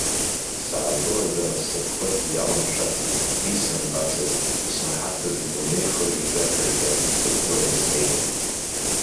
Саагылазар сыԥхыӡ иаламшәацыз, исымбацыз, исмаҳацыз дунеи хыжәжәа-ҿыжәжәак сықәланы снеиуан.